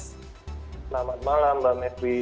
selamat malam mbak medwi